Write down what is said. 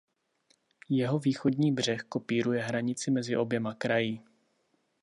Jeho východní břeh kopíruje hranici mezi oběma kraji.